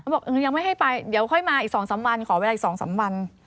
บอกยังไม่ให้ไปเดี๋ยวค่อยมาอีก๒๓วันขอเวลาอีก๒๓วัน